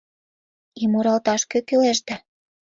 И муралташ кӧ кӱлеш да?